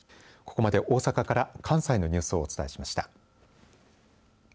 ここまで大阪から関西のニュースをお伝えしました。